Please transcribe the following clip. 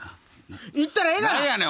行ったらええがな！